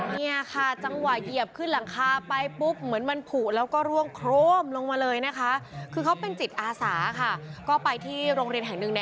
เนี่ยค่ะจังหวะเหยียบขึ้นหลังคาไปปุ๊บเหมือนมันผูแล้วก็ร่วงโครมลงมาเลยนะคะคือเขาเป็นจิตอาสาค่ะก็ไปที่โรงเรียนแห่งหนึ่ง